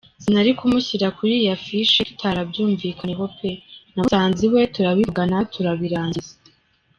"Sinari kumushyira kuri Affiche tutarabyumvikanyeho pe, namusanze iwe turavugana turabirangiza".